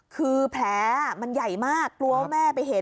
คือแผลมันใหญ่มากกลัวว่าแม่ไปเห็น